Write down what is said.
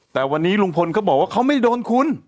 แต่วันนี้ลุงพลเขาบอกว่าเขาไม่โดนคุณ